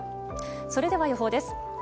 それでは、予報です。